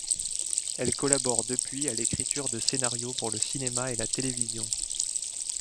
Elle collabore depuis à l’écriture de scénarios pour le cinéma et la télévision.